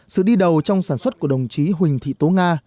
sự đi đầu trong sản xuất của đồng chí huỳnh thị tố nga